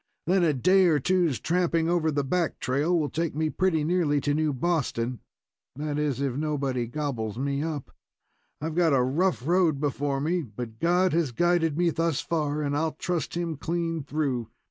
Then a day or two's tramping over the back trail will take me pretty nearly to New Boston that is, if nobody gobbles me up. I've got a rough road before me, but God has guided me thus far, and I'll trust him clean through.